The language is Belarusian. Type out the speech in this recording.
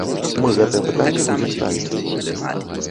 Мы гэтае пытанне будзем ставіць.